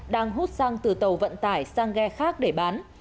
đang hút xăng từ tàu vận tải sang ghe khác để bán